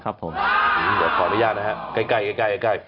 ขออนุญาตนะครับไก่